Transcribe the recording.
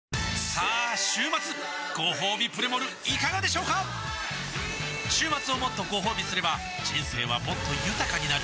さあ週末ごほうびプレモルいかがでしょうか週末をもっとごほうびすれば人生はもっと豊かになる！